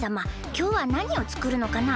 きょうはなにをつくるのかな？